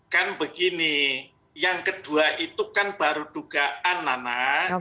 kan begini yang kedua itu kan baru dugaan nana